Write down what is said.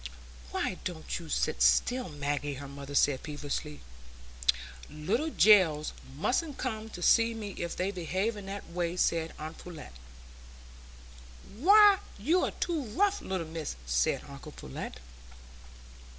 "Why don't you sit still, Maggie?" her mother said peevishly. "Little gells mustn't come to see me if they behave in that way," said aunt Pullet. "Why, you're too rough, little miss," said uncle Pullet.